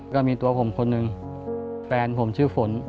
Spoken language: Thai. ก็มีตัวผมคนหนึ่งแฟนผมชื่อฝน